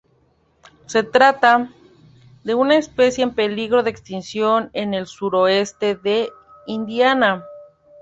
Se trata de una especie en peligro de extinción en el suroeste de Indiana.